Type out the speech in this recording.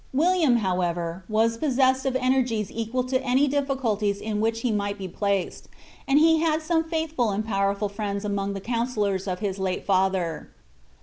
William, howevei, was possessed of energies equal to any difficulties in which he might be placed, and he had some &ithful and powerful friends among the coun sellors of his late fiuher.